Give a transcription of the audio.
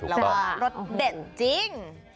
แล้วก็รสเด็ดจริง